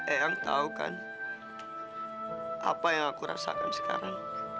eyang tahu kan apa yang aku rasakan sekarang